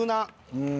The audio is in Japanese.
うん。